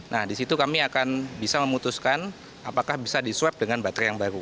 nah disitu kami akan bisa memutuskan apakah bisa di swab dengan baterai yang baru